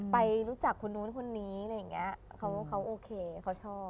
ไปรู้จักคนนู้นคนนี้อะไรอย่างเงี้ยเขาโอเคเขาชอบ